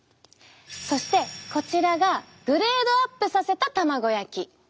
そしてこちらがグレードアップさせた卵焼き。